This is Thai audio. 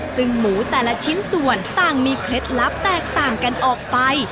ซึ่งหมูแต่ละชิ้นส่วนต่างมีเคล็ดลับแตกต่างกันออกไป